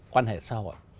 quan hệ xã hội